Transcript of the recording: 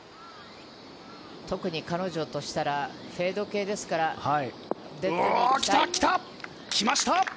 特に彼女としたら、フェード系ですから。来ました。